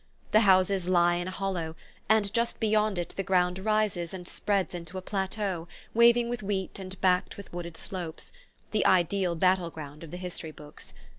The houses lie in a hollow, and just beyond it the ground rises and spreads into a plateau waving with wheat and backed by wooded slopes the ideal "battleground" of the history books.